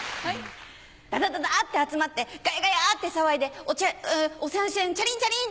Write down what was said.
ダダダダって集まってガヤガヤって騒いでおさい銭チャリンチャリン！